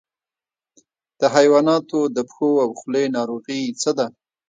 د حیواناتو د پښو او خولې ناروغي څه ده؟